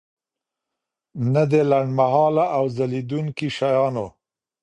نه د لنډمهاله او ځلیدونکي شیانو.